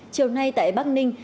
chiều nay tại bắc ninh